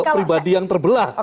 pribadi yang terbelah